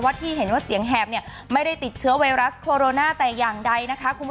ว่าที่เห็นว่าเธอเสียงแหบไม่ได้ติดเชื้อไวรัสโคโรนาแต่ยังใด